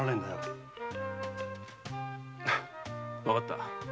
わかった。